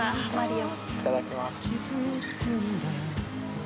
いただきます。